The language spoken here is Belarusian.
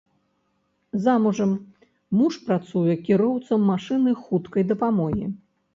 Замужам, муж працуе кіроўцам машыны хуткай дапамогі.